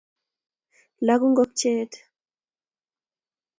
laku ngokyet